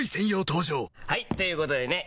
登場はい！ということでね